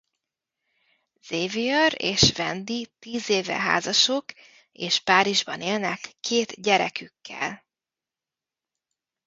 Xavier és Wendy tíz éve házasok és Párizsban élnek két gyerekükkel.